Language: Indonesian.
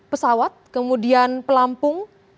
pesawat kemudian pelampung